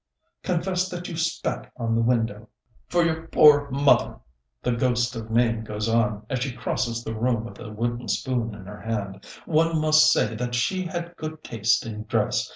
Confess that you spat on the window. "For your poor mother," the ghost of Mame goes on, as she crosses the room with a wooden spoon in her hand, "one must say that she had good taste in dress.